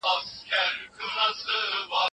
د مرګ په سبب د زوجيت اړيکه څنګه کيږي؟